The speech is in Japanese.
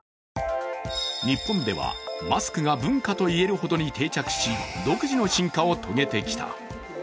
日本ではマスクが文化と言えるほどに定着し、独自の進化を遂げてきた。